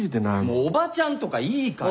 おばちゃんとかいいから！